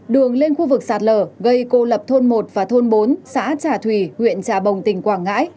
đường lên khu vực sạt lở gây cô lập thôn một và thôn bốn xã trà thủy huyện trà bồng tỉnh quảng ngãi